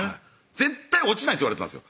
「絶対落ちない」と言われてたんですよ